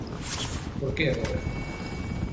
Por que agora?